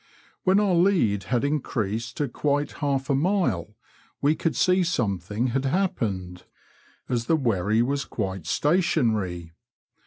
When our lead had increased to quite half a mile, we could see something had happened, as the wherry was quite stationary.